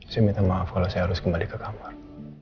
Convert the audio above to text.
saya minta maaf kalau saya harus kembali ke kamar